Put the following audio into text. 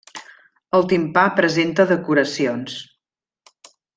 El timpà presenta decoracions.